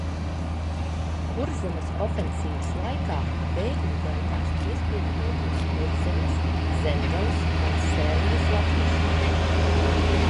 Kurzemes ofensīvas laikā bēgļu gaitās piespieda doties Kurzemes, Zemgales un Sēlijas latviešiem.